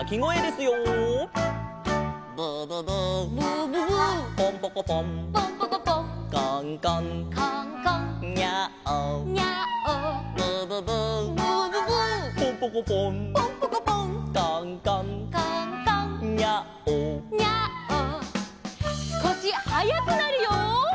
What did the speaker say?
すこしはやくなるよ！